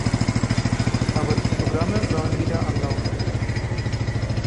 Aber die Programme sollen wieder anlaufen.